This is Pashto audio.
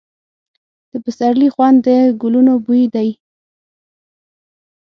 د پسرلي خوند د ګلونو بوی دی.